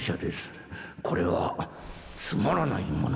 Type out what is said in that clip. これはつまらないものですが。